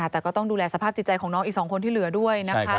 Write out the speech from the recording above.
แต่ก็ต้องดูแลสภาพจิตใจของน้องอีก๒คนที่เหลือด้วยนะคะ